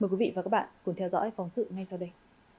mời quý vị và các bạn cùng theo dõi phóng sự ngay sau đây